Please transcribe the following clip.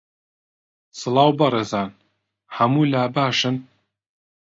سڵاو بەڕێزان، هەوو لا باشن